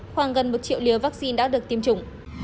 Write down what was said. khoảng gần một triệu liều vaccine đã được tiêm chủng